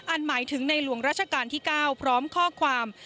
หมายถึงในหลวงราชการที่๙พร้อมข้อความ